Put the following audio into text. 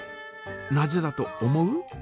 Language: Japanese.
なぜだと思う？